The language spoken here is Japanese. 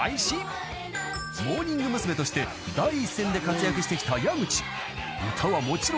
［モーニング娘。として第一線で活躍してきた矢口］